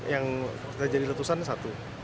yang terjadi letusan satu